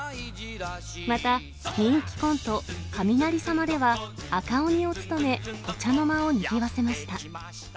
また人気コント、雷様では赤鬼を務めお茶の間をにぎわせました。